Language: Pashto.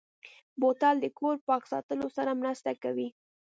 بوتل د کور پاک ساتلو سره مرسته کوي.